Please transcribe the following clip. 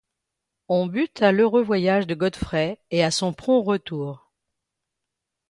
On but à l’heureux voyage de Godfrey et à son prompt retour.